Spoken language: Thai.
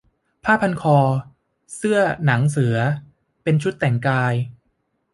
ผ้าพันคอ เสื้อหนังเสือ เป็นชุดแต่งกาย